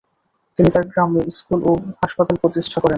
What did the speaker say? তিনি তার গ্রামে স্কুল ও হাসপাতাল প্রতিষ্ঠা করেন।